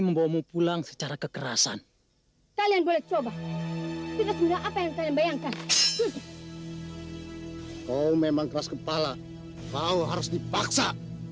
memang keras kepala kau harus dipaksa